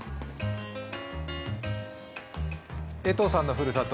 江藤さんのふるさと